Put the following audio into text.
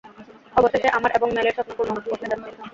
অবশেষে, আমার এবং মেলের স্বপ্ন পূরণ করতে যাচ্ছি।